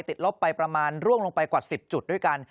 ลบไปประมาณร่วงลงไปกว่า๑๐จุดด้วยกัน